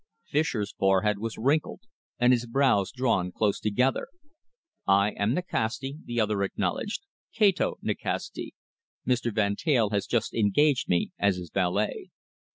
Fischer's forehead was wrinkled, and his brows drawn close together. "I am Nikasti," the other acknowledged "Kato Nikasti. Mr. Van Teyl has just engaged me as his valet."